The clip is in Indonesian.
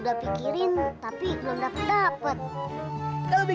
tidak akan tinggal dalam kuaku